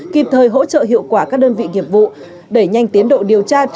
kịp thời hỗ trợ hiệu quả các đơn vị nghiệp vụ đẩy nhanh tiến độ điều tra truy tố